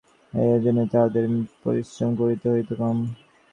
আর এইজন্যই তাঁহাদের পরিশ্রম করিতে হইত কম।